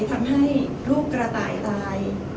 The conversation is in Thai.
ทำให้ลูกกระต่ายตาย